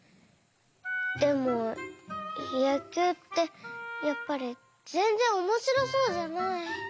でもやきゅうってやっぱりぜんぜんおもしろそうじゃない。